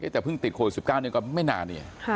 แต่เพิ่งติดโคลสิบเก้าหนึ่งก็ไม่นาน